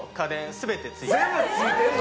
全部付いてるの？